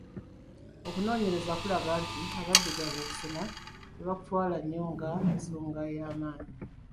Okunoonyereza kulaga nti abaddugavu okusoma tebakutwala nnyo enga nsonga eya maanyi.